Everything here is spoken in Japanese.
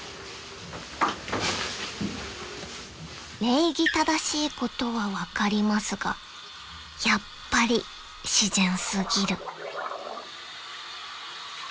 ［礼儀正しいことは分かりますがやっぱり自然過ぎる］